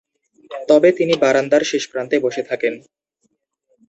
তবে তিনি বারান্দার শেষপ্রান্তে বসে থাকেন।